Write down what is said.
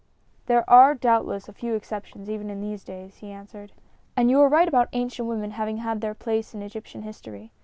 "There are doubtless a few exceptions, even in these days," he answered. "And you are right about ancient women having had their place in Egyptian history.